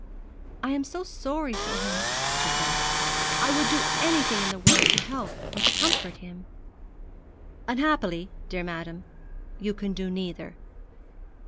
'I am so sorry for him,' she said. 'I would do anything in the world to help or to comfort him.' 'Unhappily, dear madam, you can do neither.